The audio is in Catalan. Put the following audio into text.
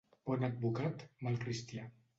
Bon advocat, mal cristià.